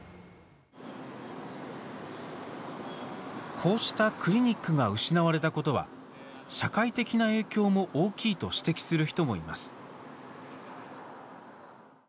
こうしたクリニックが失われたことは社会的な影響も大きいと指摘する人もいます。